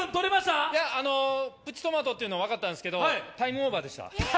プチトマトっていうのは分かったんですけど、タイムオーバーでした。